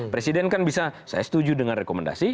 presiden kan bisa saya setuju dengan rekomendasi